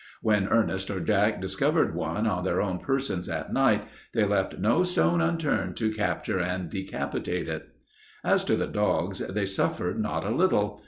When Ernest or Jack discovered one on their own persons at night they left no stone unturned to capture and decapitate it. As to the dogs, they suffered not a little.